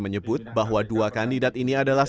menyebut bahwa dua kandidat ini adalah